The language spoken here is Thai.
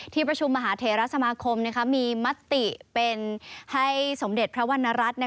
ที่ประชุมมหาเทราสมาคมมีมติเป็นให้สมเด็จพระวรรณรัฐ